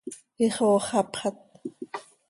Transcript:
Ixooxapxat.